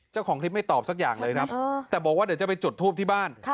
เจ้าของคลิปไม่ตอบสักอย่างเลยครับแต่บอกว่าเดี๋ยวจะไปจุดทูปที่บ้าน